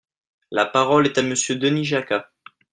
La parole est à Monsieur Denis Jacquat.